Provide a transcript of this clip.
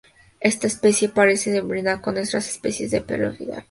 Esta especie parece no hibridar con otras especies de Pelophylax